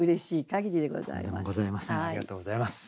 ありがとうございます。